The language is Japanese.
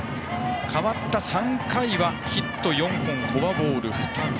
代わった３回はヒット４本フォアボール２つ。